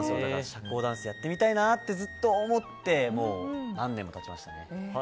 社交ダンスやってみたいなってずっと思って何年も経ちましたね。